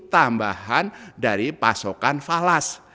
tambahan dari pasokan falas